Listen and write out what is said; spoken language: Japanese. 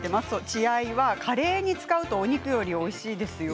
血合いはカレーに使うとお肉よりもおいしいですよ。